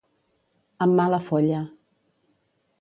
Amb mala folla.